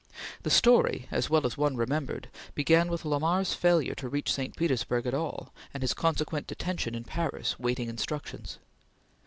The story, as well as one remembered, began with Lamar's failure to reach St. Petersburg at all, and his consequent detention in Paris waiting instructions.